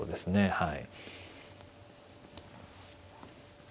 はい。